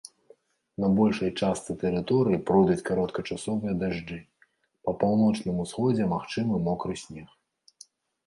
На большай частцы тэрыторыі пройдуць кароткачасовыя дажджы, па паўночным усходзе магчымы мокры снег.